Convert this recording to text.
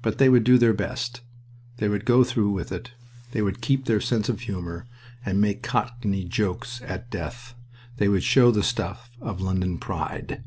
But they would do their best. They would go through with it. They would keep their sense of humor and make cockney jokes at death. They would show the stuff of London pride.